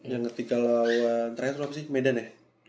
yang ketika lawan medan ya